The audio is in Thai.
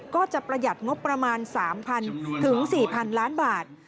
ก็จะประหยัดงบประมาณ๓๐๐๐บาทถึง๔๐๐๐ล้านบาท